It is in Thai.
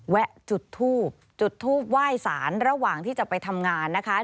แวะจุดทูบจุดทูปไหว้สารระหว่างที่จะไปทำงานนะคะ